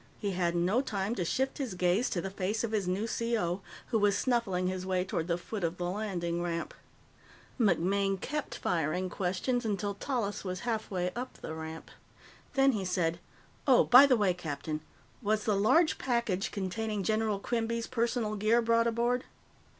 He had no time to shift his gaze to the face of his new C.O., who was snuffling his way toward the foot of the landing ramp. MacMaine kept firing questions until Tallis was halfway up the ramp. Then he said: "Oh, by the way, captain was the large package containing General Quinby's personal gear brought aboard?"